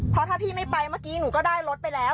เพราะถ้าพี่ไม่ไปเมื่อกี้หนูก็ได้รถไปแล้ว